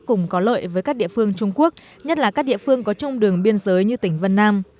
cùng có lợi với các địa phương trung quốc nhất là các địa phương có chung đường biên giới như tỉnh vân nam